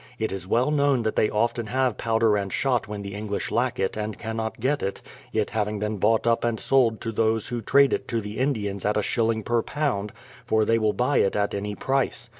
It is well known that they often have powder and shot when the English lack it and cannot get it, it having been bought up and sold to those who trade it to the Indians at a shilling per pound — for they will buy it at any price.